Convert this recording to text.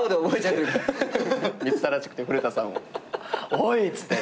おいっつって。